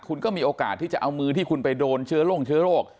คุณก็มีโอกาสที่จะเอามือที่คุณไปโดนเชื้อโรคเชื้อโรค